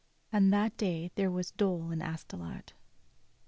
And that day there was dole in Astolat.